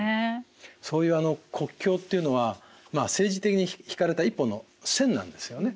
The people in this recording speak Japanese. そういう国境というのは政治的に引かれた一本の線なんですよね。